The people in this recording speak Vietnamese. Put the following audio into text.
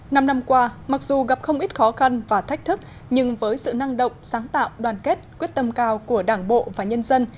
năm năm qua mặc dù gặp không ít khó khăn và thách thức nhưng với sự năng động sáng tạo đoàn kết quyết tâm cao của đảng bộ và nhân dân